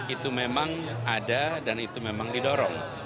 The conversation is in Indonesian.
itu memang ada dan itu memang didorong